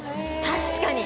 確かに。